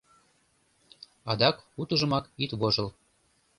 Адак утыжымак ит вожыл.